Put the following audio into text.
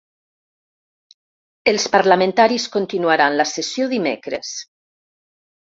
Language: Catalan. Els parlamentaris continuaran la sessió dimecres.